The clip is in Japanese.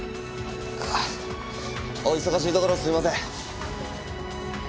お忙しいところすいません。